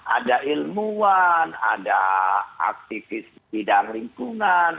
ada ilmuwan ada aktivis bidang lingkungan